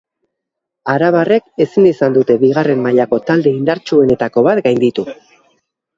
Arabarrek ezin izan dute bigarren mailako talde indartsuenetako bat gainditu.